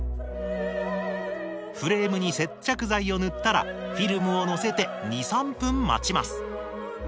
フレームに接着剤を塗ったらフィルムをのせて２３分待ちます。